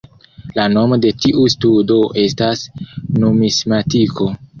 La nomo de tiu studo estas numismatiko.